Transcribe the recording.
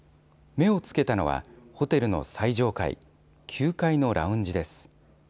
目をつけたのは、ホテルの最上階、９階のラウンジです。